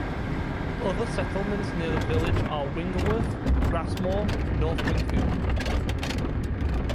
Other settlements near the village are Wingerworth, Grassmoor and North Wingfield.